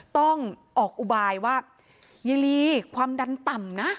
ต้องออกอุบายว่ายายลีความดันต่ำนะ